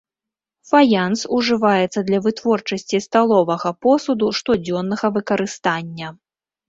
Фаянс ўжываецца для вытворчасці сталовага посуду штодзённага выкарыстання.